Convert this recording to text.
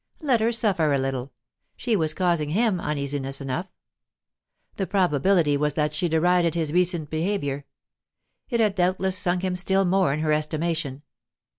Let her suffer a little; she was causing him uneasiness enough. The probability was that she derided his recent behaviour; it had doubtless sunk him still more in her estimation.